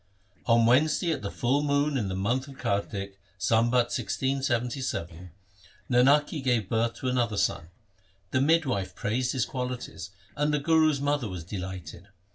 On Wednesday at the full moon in the month of Kartik, Sambat 1677, Nanaki gave birth to another son. The midwife praised his qualities, and the Guru's mother was delighted.